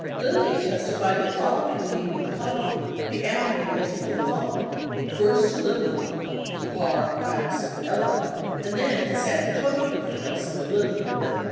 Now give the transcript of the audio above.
Lilly testified that following the meeting with Connally, the AMPI people flew home — first to Little Rock (for Parr, Townsend, and Elrod) and then to San Antonio (for Nelson and Lilly).